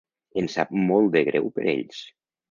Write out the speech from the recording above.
Em sap molt de greu per ells.